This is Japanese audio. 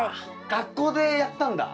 学校でやったんだ。